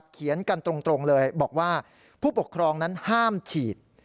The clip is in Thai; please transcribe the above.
เขียนกันตรงเลยบอกว่าผู้ปกครองนั้นห้ามฉีด